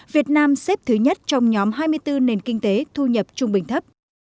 việt nam xếp thứ nhất trong nhóm hai mươi bốn nền kinh tế thu nhập trung bình thấp